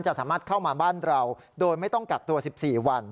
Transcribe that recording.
สามารถเข้ามาบ้านเราโดยไม่ต้องกักตัว๑๔วัน